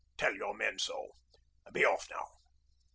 Tell your men so. Be off, now.'